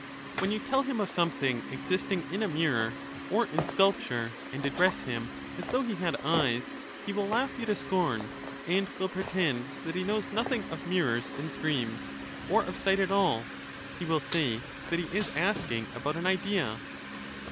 When you tell him of something existing in a mirror, or in sculpture, and address him as though he had eyes, he 240 will laugh you to scorn, and will pretend that he knows notHing of mirrors and streams, or of sight at all ; he will say that he is asking about an idea.